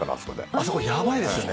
あそこヤバいですよね。